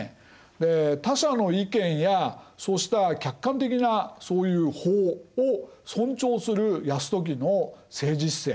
で他者の意見やそうした客観的なそういう法を尊重する泰時の政治姿勢。